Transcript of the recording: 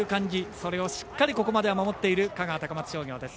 それをしっかりここまでは守っている香川、高松商業です。